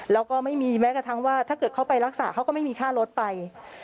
แล้วก็ไม่มีแม้กระทั่งว่าถ้าเกิดเขาไปรักษาเขาก็ไม่มีค่ารถไป